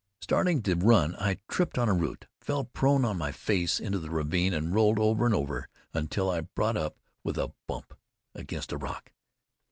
Starting to run, I tripped on a root, fell prone on my face into the ravine, and rolled over and over until I brought up with a bump against a rock.